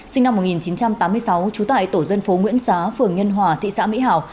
sinh năm một nghìn chín trăm tám mươi sáu trú tại tổ dân phố nguyễn xá phường nhân hòa thị xã mỹ hảo